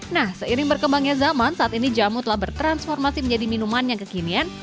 nah seiring berkembangnya zaman saat ini jamu telah bertransformasi menjadi minuman yang kekinian